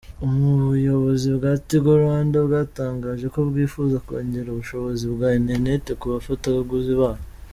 Ubuyobozi bwa Tigo Rwanda bwatangaje ko bwifuza kongera ubushobozi bwa internet ku bafatabuguzi bayo.